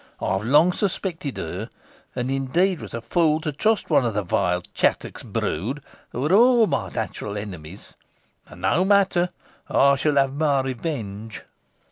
I have long suspected her, and, indeed, was a fool to trust one of the vile Chattox brood, who are all my natural enemies but no matter, I shall have my revenge."